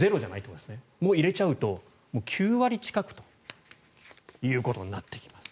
それを入れちゃうと９割近くということになってきます。